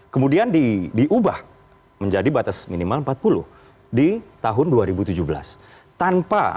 kemudian diubah menjadi batas minimal empat puluh di tahun dua ribu tujuh belas tanpa